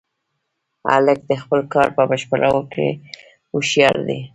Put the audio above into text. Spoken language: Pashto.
هلک د خپل کار په بشپړولو کې هوښیار دی.